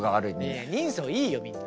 いや人相いいよみんな。